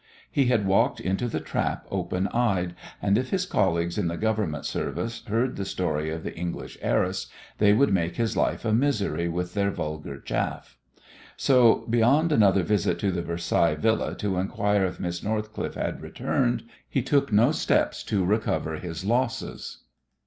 He had walked into the trap open eyed, and if his colleagues in the Government service heard the story of the "English heiress" they would make his life a misery with their vulgar chaff. So beyond another visit to the Versailles Villa to inquire if Miss Northcliffe had returned he took no steps to recover his losses.